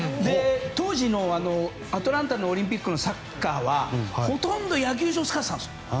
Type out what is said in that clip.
当時のアトランタオリンピックのサッカーはほとんど野球場を使っていたんですよ。